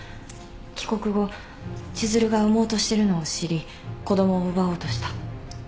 帰国後千寿留が産もうとしてるのを知り子供を奪おうとした。